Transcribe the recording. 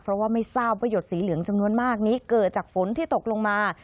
เพราะว่าไม่ทราบว่าหยดสีเหลืองจำนวนมากนี้เกิดจากฝนที่ตกลงมา